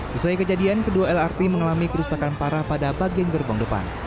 setelah kejadian kedua lrt mengalami kerusakan parah pada bagian gerbong depan